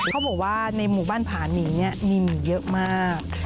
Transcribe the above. เขาบอกว่าในหมู่บ้านผานิงเนี่ยมีเยอะมาก